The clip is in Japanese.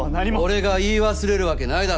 俺が言い忘れるわけないだろ。